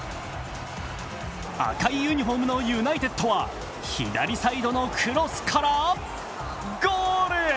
赤いユニフォームのユナイテッドは左サイドのクロスからゴール。